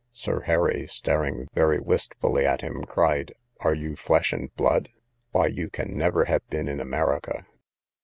Sir Harry, staring very wistfully at him, cried, are you flesh and blood? why you can never have been in America?